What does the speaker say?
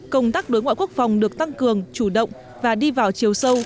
công tác đối ngoại quốc phòng được tăng cường chủ động và đi vào chiều sâu